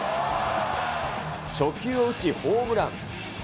初球を打ち、ホームラン。